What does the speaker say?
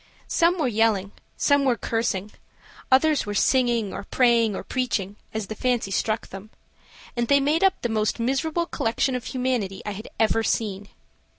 Some were yelling, some were cursing, others were singing or praying or preaching, as the fancy struck them, and they made up the most miserable collection of humanity I had ever seen.